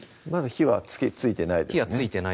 火はついてないですね